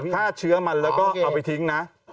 ฆ่าเชื้อมันแล้วก็เอาไปทิ้งนะ